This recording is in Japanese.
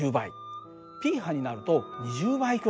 Ｐ波になると２０倍ぐらい。